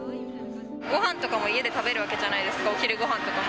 ごはんとかも家で食べるわけじゃないですか、お昼ごはんとかも。